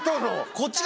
こっちが。